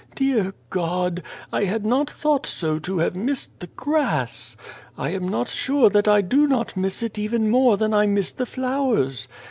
Dear God ! I had not thought so to have missed the grass. I am not sure that I do not miss it even more than I miss the flowers.